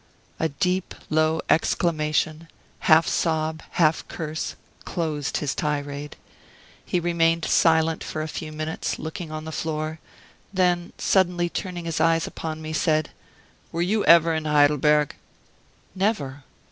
A deep, low exclamation, half sob, half curse, closed his tirade. He remained silent for a few minutes, looking on the floor, then, suddenly turning his eyes upon me, said: "Were you ever in Heidelberg?" "Never."